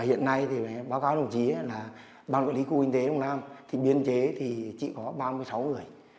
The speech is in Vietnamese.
hiện nay ban quản lý khu kinh tế đông nam biên chế chỉ có ba mươi sáu người